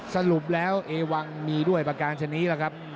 สรุปแล้วเอวังมีด้วยประการชนิดล่ะครับ